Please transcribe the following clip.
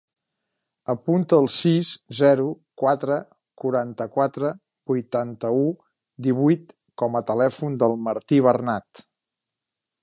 Apunta el sis, zero, quatre, quaranta-quatre, vuitanta-u, divuit com a telèfon del Martí Bernat.